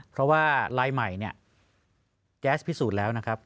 เพราะว่าลายใหม่เนี่ยแก๊สพิสูจน์แล้วนะครับ